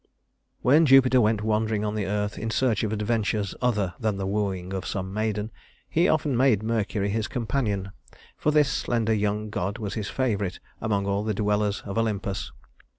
II When Jupiter went wandering on the earth in search of adventures other than the wooing of some maiden, he often made Mercury his companion, for this slender young god was his favorite among all the dwellers of Olympus.